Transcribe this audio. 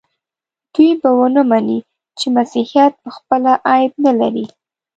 دوی به ونه مني چې مسیحیت پخپله عیب نه لري.